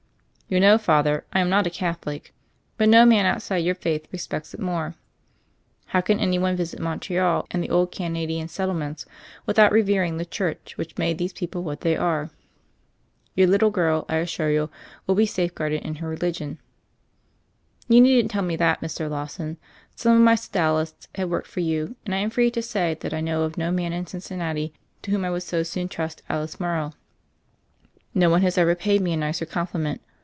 "You know, Father, I am not a Catholic. But no man outside your faith respects it more. How can any one visit Montreal and the old Canadian settlements without revering the Church which made these people what they are ? Your little girl, I assure you, wiU be safe guarded in her religion." "You needn't tell me that, Mr. Lawson. Some of my Sodalists have worked for you ; and I am free to say that I know of no man in Cincinnati to whom I would so soon trust Alice Morrow." "No one has ever paid me a nicer compliment.